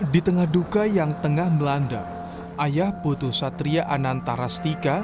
di tengah duka yang tengah melanda ayah putus satria anantara stika